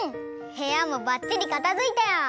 へやもばっちりかたづいたよ。